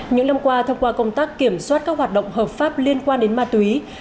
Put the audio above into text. những năm qua thông qua công tác kiểm soát các hoạt động hợp pháp liên quan đến ma túy